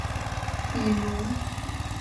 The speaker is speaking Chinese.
比如